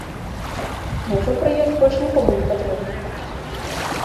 Няўжо праект больш нікому не патрэбны?